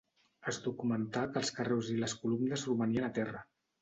Es documentà que els carreus i les columnes romanien a terra.